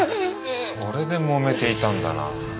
それでもめていたんだな。